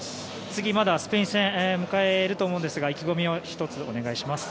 次まだスペイン戦迎えると思うんですが意気込みを１つお願いします。